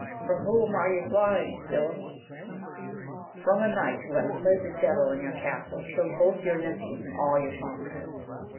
From whom are ye flying, villains ?— From a knight, who hath played the devil* in your castle, killed both your nephews, and all our comrades.